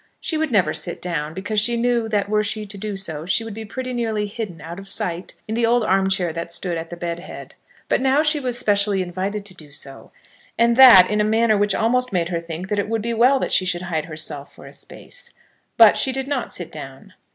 She would never sit down, because she knew that were she to do so she would be pretty nearly hidden out of sight in the old arm chair that stood at the bed head; but now she was specially invited to do so, and that in a manner which almost made her think that it would be well that she should hide herself for a space. But she did not sit down.